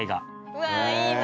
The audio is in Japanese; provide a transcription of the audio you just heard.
うわいいな！